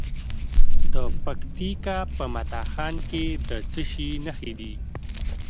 د پکتیکا په متا خان کې د څه شي نښې دي؟